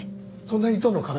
隣との壁